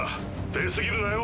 出過ぎるなよ。